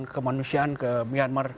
kemanusiaan ke myanmar